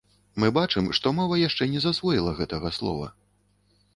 Мы бачым, што мова яшчэ не засвоіла гэтага слова.